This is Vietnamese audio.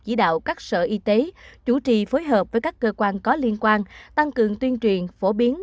chỉ đạo các sở y tế chủ trì phối hợp với các cơ quan có liên quan tăng cường tuyên truyền phổ biến